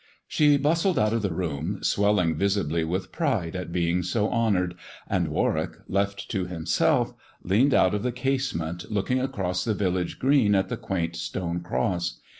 She bustled out of the room, swelling visibly with pride at being so honoured ; and Warwick, left to himself, leaned out of the casement, looking across the village green at the quaint stone cross.